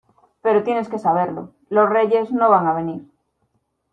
pero tienes que saberlo. los Reyes no van a venir .